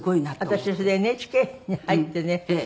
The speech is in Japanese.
私それでＮＨＫに入ってね